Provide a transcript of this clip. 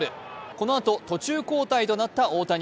このあと、途中交代となった大谷。